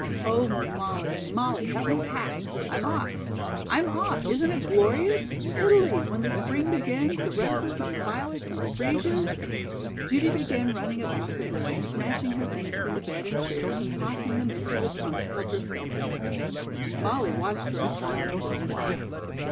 Oh, Molly, Molly, help me pack! I'm off I'm off isn't it glorious, Italy, when the spring begins, the roses and the violets and the fresias " Judy began running about the room, snatching her things from the bed and chairs and tossing them into the trunks helter skelter. Molly watched her in silence for a while.